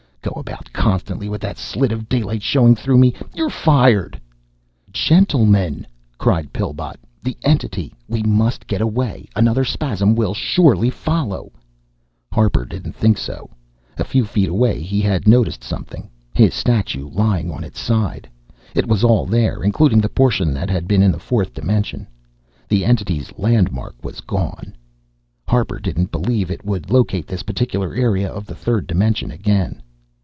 Go about constantly with a slit of daylight showing through me. You're fired!" "Gentlemen," cried Pillbot. "The entity we must get away. Another spasm will surely follow " Harper didn't think so. A few feet away he had noticed something his statue lying on its side. It was all there, including the portion that had been in the fourth dimension. The Entity's "landmark" was gone. Harper didn't believe It would locate this particular area of the third dimension again.